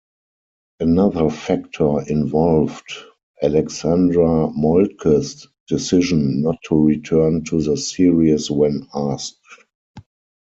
Another factor involved Alexandra Moltke's decision not to return to the series when asked.